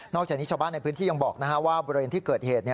จากนี้ชาวบ้านในพื้นที่ยังบอกว่าบริเวณที่เกิดเหตุ